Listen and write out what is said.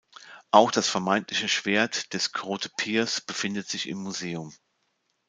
Auch das vermeintliche Schwert des Grote Piers befindet sich im Museum.